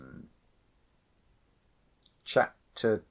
Chapter II.